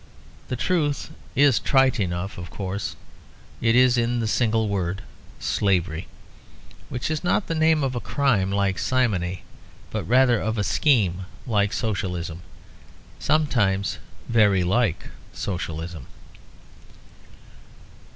The truth is trite enough, of course; it is in the single word Slavery, which is not the name of a crime like Simony, but rather of a scheme like Socialism. Sometimes very like Socialism.